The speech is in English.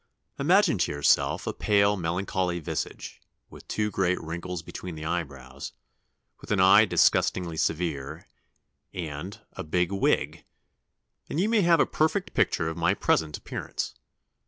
Imagine to yourself a pale melancholy visage, with two great wrinkles between the eyebrows, with an eye disgustingly severe, and, a big wig, and you may have a perfect picture of my present appearance....